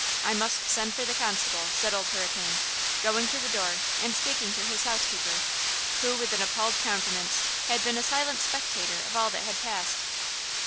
I must send for the constable," said Old Hurricane, going to the door and speaking to his housekeeper, who, with an appalled countenance had been a silent spectator of all that had passed.